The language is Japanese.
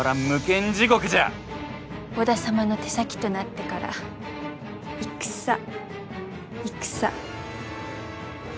織田様の手先となってから戦戦戦。